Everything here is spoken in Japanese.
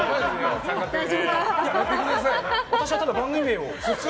私は、ただ番組名を。